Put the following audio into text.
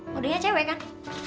modenya cewek kan